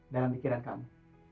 dalam pikiran kamu